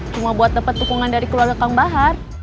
cuma buat dapat dukungan dari keluarga kang bahar